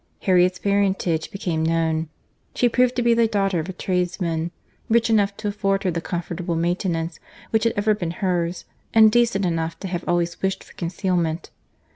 —Harriet's parentage became known. She proved to be the daughter of a tradesman, rich enough to afford her the comfortable maintenance which had ever been hers, and decent enough to have always wished for concealment.